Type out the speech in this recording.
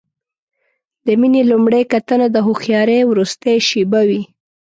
د مینې لومړۍ کتنه د هوښیارۍ وروستۍ شېبه وي.